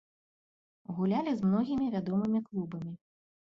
Гулялі з многімі вядомымі клубамі.